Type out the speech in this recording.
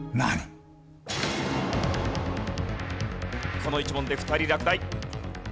この１問で２人落第。